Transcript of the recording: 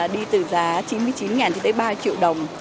đi từ giá chín mươi chín ba triệu đồng